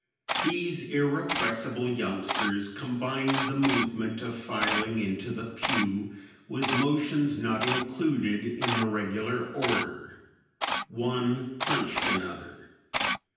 These irrepressible youngsters combined the movement of filing into the pew with motions not included in the regular order. One punched another.